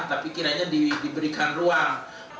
tapi kiranya diberikan ruang